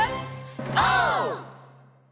オー！